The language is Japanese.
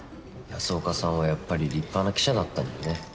安岡さんはやっぱり立派な記者だったんだね。